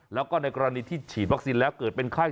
แล้วก็ในกรณีที่ฉีดวัคซีนแล้วเกิดเป็นไข้